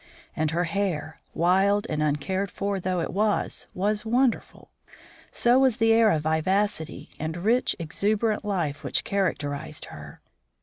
And her hair, wild and uncared for though it was, was wonderful; so was the air of vivacity and rich, exuberant life which characterised her.